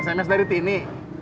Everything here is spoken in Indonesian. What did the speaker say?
sms dari tini